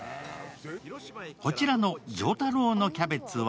こちらの常太郎のキャベツは